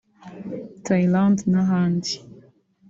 Thailand n’ahandi